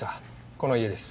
この家です。